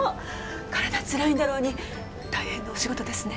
体つらいだろうに「大変なお仕事ですね」